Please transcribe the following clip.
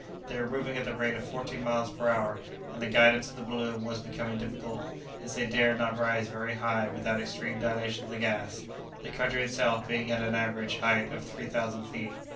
They were moving at the rate of fourteen miles per hour, and the guidance of the balloon was becoming difficult, as they dared not rise very high without extreme dilation of the gas, the country itself being at an average height of three thousand feet.